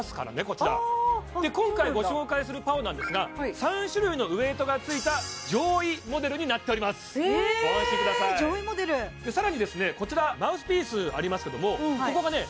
こちら今回ご紹介するＰＡＯなんですが３種類のウエイトがついた上位モデルになっておりますご安心くださいえ上位モデルでさらにですねこちらマウスピースありますけどもここがね